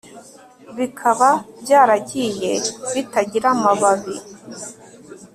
Bikaba byaragiye bitagira amababi